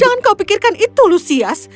jangan kau pikirkan itu lusias